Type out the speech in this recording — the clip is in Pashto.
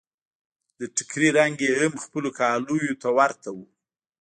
د ټکري رنګ يې هم خپلو کاليو ته ورته و.